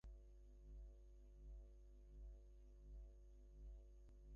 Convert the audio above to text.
টাকার জন্য হাবিবার স্বামী নির্যাতনের মাত্রা দিন দিন বাড়িয়ে দিতে থাকেন।